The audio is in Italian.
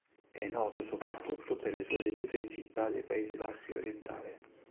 È noto soprattutto per le sue vedute di città dei Paesi Bassi orientale.